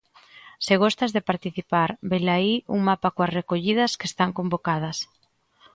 Se gostas de participar, velaí un mapa coas recollidas que están convocadas.